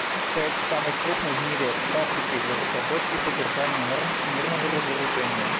Он остается самой крупной в мире «фабрикой» для разработки и поддержания норм всемирного разоружения.